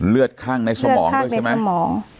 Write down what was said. เลือดข้างในสมองด้วยใช่ไหมเลือดข้างในสมอง